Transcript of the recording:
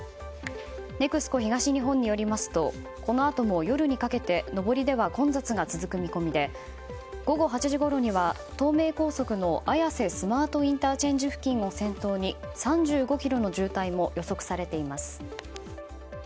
ＮＥＸＣＯ東日本によりますとこのあとも、夜にかけて上りでは混雑が続く見込みで午後８時ごろには東名高速の綾瀬スマートＩＣ付近を先頭に３５ｋｍの渋滞も予測されています。